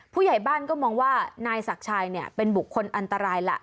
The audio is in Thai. ผู้ใหญ่บ้านก็มองว่านายศักดิ์ชัยเนี่ยเป็นบุคคลอันตรายล่ะ